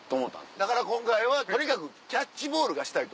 だから今回はとにかくキャッチボールがしたい！と。